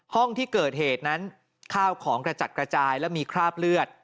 ห้องที่เกิดเหตุนั้นข้าวของกระจัดกระจายและมีคราบเลือด